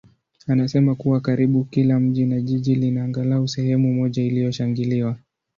anasema kuwa karibu kila mji na jiji lina angalau sehemu moja iliyoshangiliwa.